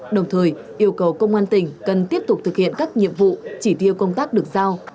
đồng thời yêu cầu công an tỉnh cần tiếp tục thực hiện các nhiệm vụ chỉ tiêu công tác được giao